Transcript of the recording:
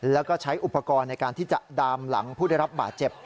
แล้วก็ใช้อุปกรณ์ในการที่จะดามหลังผู้ได้รับบาดเจ็บ